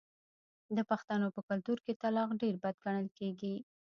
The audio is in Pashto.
د پښتنو په کلتور کې طلاق ډیر بد ګڼل کیږي.